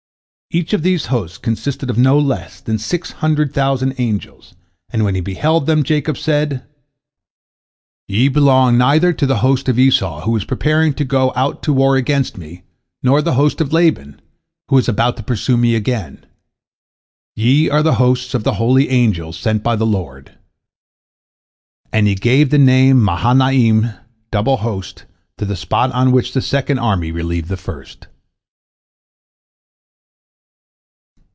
Each of these hosts consisted of no less than six hundred thousand angels, and when he beheld them, Jacob said: "Ye belong neither to the host of Esau, who is preparing to go out to war against me, nor the host of Laban, who is about to pursue me again. Ye are the hosts of the holy angels sent by the Lord." And he gave the name Mahanaim, Double Host, to the spot on which the second army relieved the first.